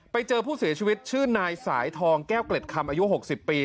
ไปเจอผู้เสียชีวิตชื่อนายสายทองแก้วเกล็ดคำอายุ๖๐ปี